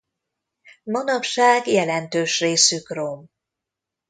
Manapság jelentős részük rom.